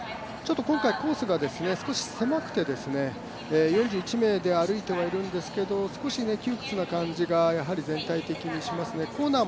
今回コースが少し狭くて４１名で歩いてはいるんですが少し窮屈な感じが全体的にしますね。